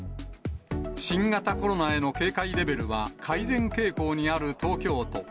新型コロナへの警戒レベルは改善傾向にある東京都。